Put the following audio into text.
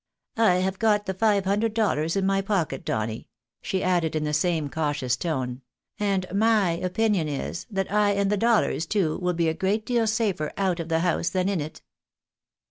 " I have got the five hundred dollars in my pocket, Donny," she added, in the same cautious tone, " and my opinion is, that I and the dollars too, will be a great deal safer out of the house than in it."